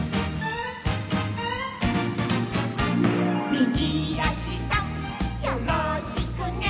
「みぎあしさんよろしくね」